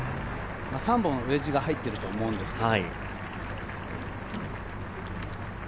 ３本ウエッジが入っていると思うんですけど。